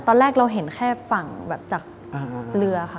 ตอนแรกหนูเห็นแค่ฝั่งจากเรือ